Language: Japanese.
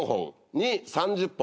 ２。３０本。